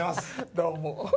どうも。